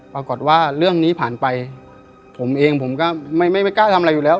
ปรากฏว่าเรื่องนี้ผ่านไปผมเองผมก็ไม่กล้าทำอะไรอยู่แล้ว